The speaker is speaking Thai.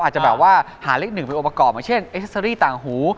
อาจจะแบบว่าหาเลขหนึ่งเป็นอุปกรณ์เพื่อเฉพาะอย่างเช่นเอ็กเซอรี่ต่างหู